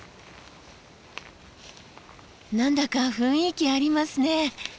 何だか雰囲気ありますね。